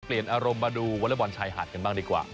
เปลี่ยนอารมณ์มาดูวอลเวอร์บอลชายหาดกันบ้างดีกว่า